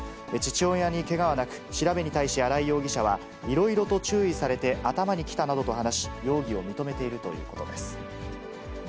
父親にけがはなく、調べに対し、新井容疑者は、いろいろと注意されて頭にきたなどと話し、容疑を認めているということです。